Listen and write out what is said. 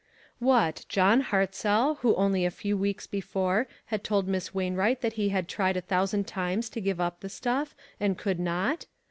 What, John Hartzell, who only a few weeks before had told Miss Wainwright that he had tried a thousand times to give up the stuff, and could not?